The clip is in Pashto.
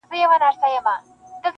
• له خوږو او له ترخو نه دي جارېږم..